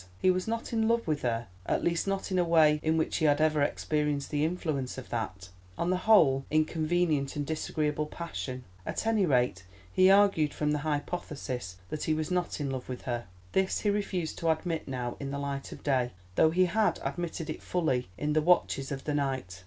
He was not in love with her, at least not in a way in which he had ever experienced the influence of that, on the whole, inconvenient and disagreeable passion. At any rate he argued from the hypothesis that he was not in love with her. This he refused to admit now in the light of day, though he had admitted it fully in the watches of the night.